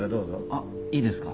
あっいいですか？